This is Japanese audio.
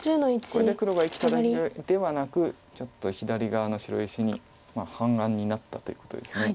これで黒が生きただけではなくちょっと左側の白石に半眼になったということです。